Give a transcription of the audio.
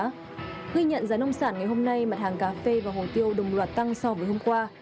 ghi nhận giá nông sản ngày hôm nay mặt hàng cà phê và hồ tiêu đồng loạt tăng so với hôm qua